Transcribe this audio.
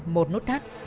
một nút thắt